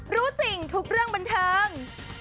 รู้จริงทุกเรื่องบันเทิง